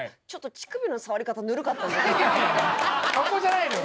そこじゃないのよ！